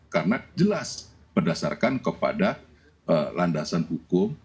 karena jelas berdasarkan kepada landasan hukum